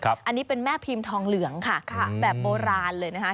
อันนี้เป็นแม่พิมพ์ทองเหลืองค่ะแบบโบราณเลยนะคะ